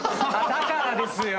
だからですよ！